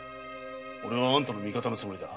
おれはあんたの味方のつもりだ。